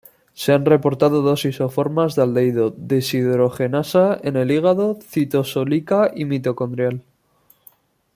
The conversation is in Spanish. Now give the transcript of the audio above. Se han reportado dos isoformas de aldehído deshidrogenasa en el hígado: Citosólica y Mitocondrial.